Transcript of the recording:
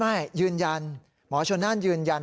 ไม่ยืนยันหมอชนน่านยืนยัน